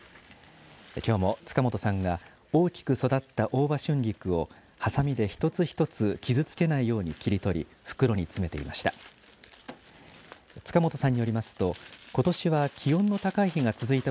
きょうもつか本さんが大きく育った大葉春菊をはさみで一つ一つ傷つけないように切り取り、袋に詰めていました。